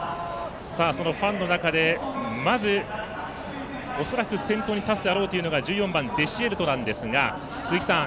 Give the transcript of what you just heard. ファンの中でまず、恐らく先頭に立つであろうという馬は１４番デシエルトなんですが鈴木さん